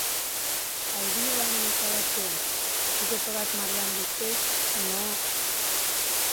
Айвийлан мый каласем: тудо тылат марлан лектеш, но...